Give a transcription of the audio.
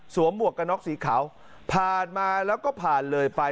หมวกกระน็อกสีขาวผ่านมาแล้วก็ผ่านเลยไป